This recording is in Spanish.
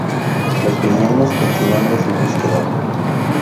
Los villanos continuando su búsqueda.